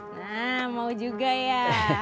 nah mau juga ya